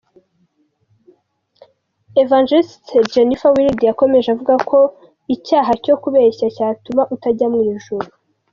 Ev Jennifer Wilde yakomeje avuga ko n’icyaha cyo kubeshya cyatuma utajya mu ijuru.